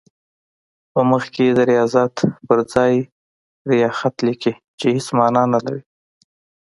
په مخ کې د ریاضت پر ځای ریاخت لیکي چې هېڅ معنی نه لري.